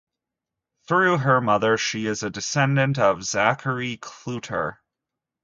Through her mother she is a descendant of Zacharie Cloutier.